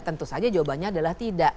tentu saja jawabannya adalah tidak